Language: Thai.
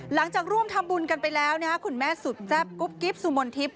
หลังจากร่วมทำบุญกันไปแล้วคุณแม่สุดแซ่บกุ๊บกิ๊บสุมนทิพย